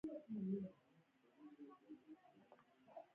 قومونه د افغانستان د پوهنې په نصاب کې هم شامل دي.